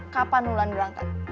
kapan wulan berangkat